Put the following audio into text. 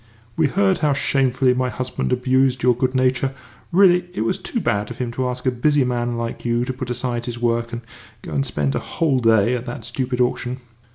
"We heard how shamefully my husband abused your good nature. Really, it was too bad of him to ask a busy man like you to put aside his work and go and spend a whole day at that stupid auction!"